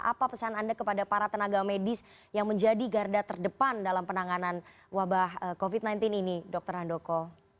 apa pesan anda kepada para tenaga medis yang menjadi garda terdepan dalam penanganan wabah covid sembilan belas ini dokter handoko